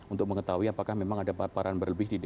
untuk mengetahui apakah memang ada paparan berlebih di